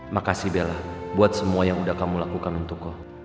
makasih bella buat semua yang udah kamu lakukan untukku